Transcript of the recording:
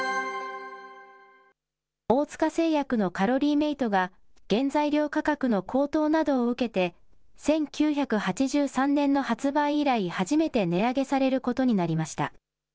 大塚製薬のカロリーメイトが、原材料価格の高騰などを受けて、１９８３年の発売以来、初めて値上げされることになりました。